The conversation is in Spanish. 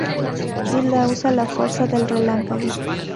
Hilda usa la Fuerza del Relámpago.